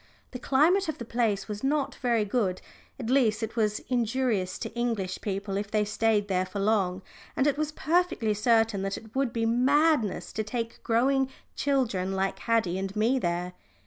The climate of the place was not very good at least it was injurious to English people if they stayed there for long and it was perfectly certain that it would be madness to take growing children like Haddie and me there.